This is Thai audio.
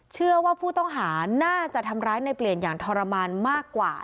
เชื่อว่าผู้ต้องหาน่าจะทำร้ายในเปลี่ยนอย่างทรมานมากกว่า